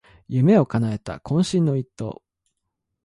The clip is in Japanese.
夢をかなえた懇親の一投